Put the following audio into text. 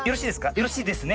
よろしいですね？